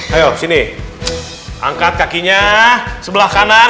ayo sini angkat kakinya sebelah kanan